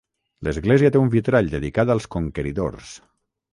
L'església té un vitrall dedicat als Conqueridors.